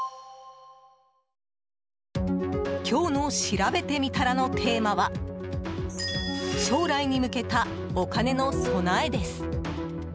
今日のしらべてみたらのテーマは将来に向けたお金の備えです。